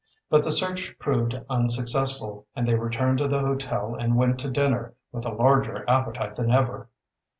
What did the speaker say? But the search proved unsuccessful, and they returned to the hotel and went to dinner, with a larger appetite than ever.